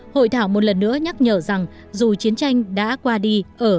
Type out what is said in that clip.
hội thảo một lần nữa nhắc nhở rằng dù chiến tranh đã qua đi ở hà nội